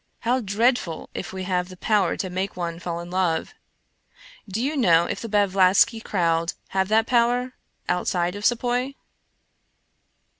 How dreadful if we have the power to make one fall in love ! Do you know if the Blavat sky crowd have that power — outside of Sepoy?